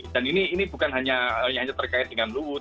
dan ini bukan hanya terkait dengan luwuh